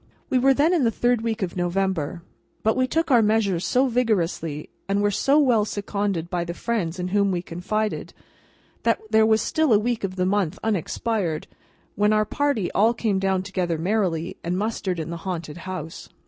We were then in the third week of November; but, we took our measures so vigorously, and were so well seconded by the friends in whom we confided, that there was still a week of the month unexpired, when our party all came down together merrily, and mustered in the haunted house.